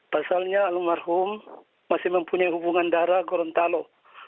pasalnya almarhum masih mempunyai hubungan darah gorontalo